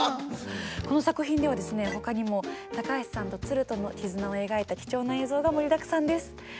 この作品ではですねほかにも高橋さんとツルとの絆を描いた貴重な映像が盛りだくさんです。